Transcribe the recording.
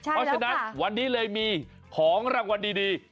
เพราะฉะนั้นวันนี้เลยมีของรางวัลดี